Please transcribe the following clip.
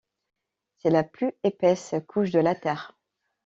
C'est la plus épaisse couche de la Terre.